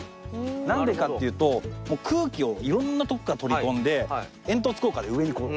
なんでかっていうと空気を色んなとこから取り込んで煙突効果で上にこう。